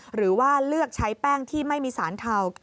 หรือว่าเลือกใช้แป้งที่ไม่มีสารเทา